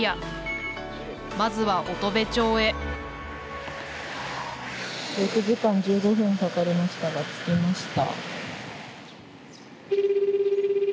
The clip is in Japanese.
まずは乙部町へ６時間１５分かかりましたが着きました。